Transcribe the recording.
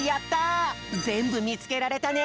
ぜんぶみつけられたね！